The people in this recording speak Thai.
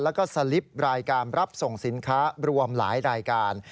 แล้วก็สลิปรายการรับส่งสินค้ารวมหลายรายการ